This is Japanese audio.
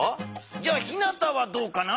じゃあひなたはどうかな？